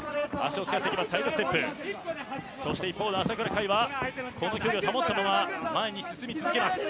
一方の朝倉海はこの距離を保ったまま前に進み続けます。